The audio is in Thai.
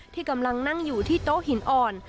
ที่กำลังนั่งอยู่ที่โต๊ะหินอ่อน